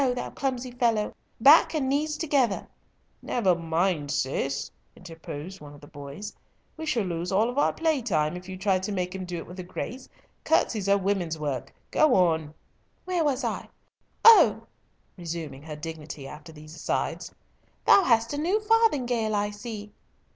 thou clumsy fellow—back and knees together." "Never mind, Cis," interposed one of the boys—"we shall lose all our play time if you try to make him do it with a grace. Curtsies are women's work—go on." "Where was I? O—" (resuming her dignity after these asides) "Thou hast a new farthingale, I see."